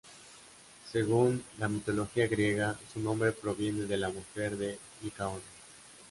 Según la mitología griega, su nombre proviene de la mujer de Licaón.